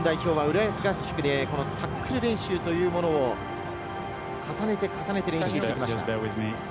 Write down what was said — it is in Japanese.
日本は浦安合宿でタックル練習というものを重ねて重ねて練習してきました。